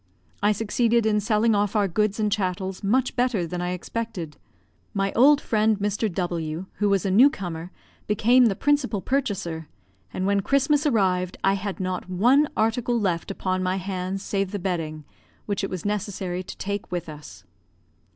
I succeeded in selling off our goods and chattels much better than I expected. My old friend, Mr. W , who was a new comer, became the principal purchaser, and when Christmas arrived I had not one article left upon my hands save the bedding, which it was necessary to take with us.